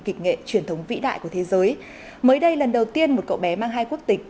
kịch nghệ truyền thống vĩ đại của thế giới mới đây lần đầu tiên một cậu bé mang hai quốc tịch